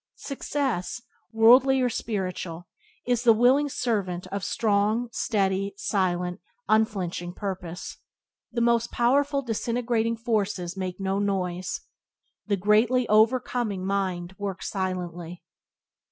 Success, worldly or spiritual, is the willing servant of strong, steady, silent, unflinching purpose. The most powerful disintegrating forces make no noise. The greatly overcoming mind works silently.